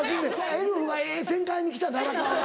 エルフがええ展開に来た荒川が。